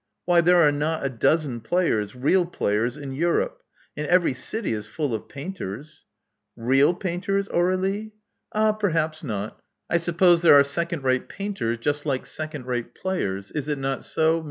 Why, there are not a dozen players — real players — in Europe; and every city is full of painters." /?^^2:/ painters, Aur^lie?" Ah! perhaps not. I suppose there are second rate painters, just like second rate players. Is it not so.